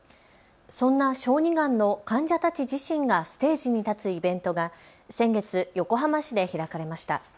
そんな小児がんの患者たち自身がステージに立つイベントが先月、横浜市で開かれました。